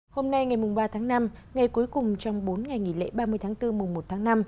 hôm nay ngày ba tháng năm ngày cuối cùng trong bốn ngày nghỉ lễ ba mươi tháng bốn mùng một tháng năm